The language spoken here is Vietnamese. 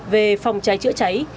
về phòng cháy chữa cháy